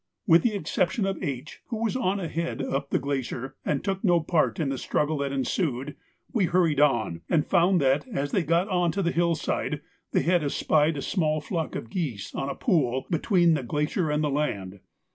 With the exception of H., who was on ahead up the glacier and took no part in the struggle that ensued, we hurried on and found that, as they got on to the hill side, they had espied a small flock of geese on a pool between the glacier and the land.